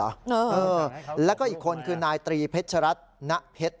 เออแล้วก็อีกคนคือนายตรีเพชรัตนเพชร